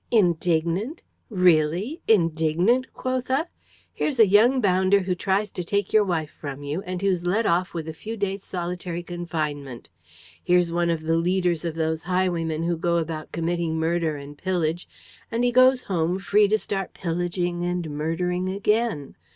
"Indignant! Really? Indignant, quotha! Here's a young bounder who tries to take your wife from you and who is let off with a few days' solitary confinement! Here's one of the leaders of those highwaymen who go about committing murder and pillage; and he goes home free to start pillaging and murdering again!